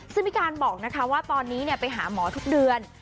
ซึ่งพี่การบอกนะคะว่าตอนนี้ไปหาหมอทุกเดือน